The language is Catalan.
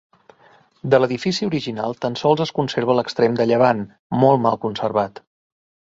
De l'edifici original tan sols es conserva l'extrem de llevant, molt mal conservat.